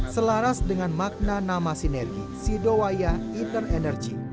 selaras dengan makna nama sinergi sidowaya interner energy